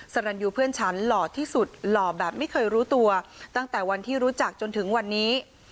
สรรยูเพื่อนฉันหล่อที่สุดหล่อแบบไม่เคยรู้ตัวตั้งแต่วันที่รู้จักจนถึงวันนี้